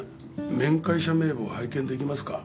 面会者名簿拝見出来ますか？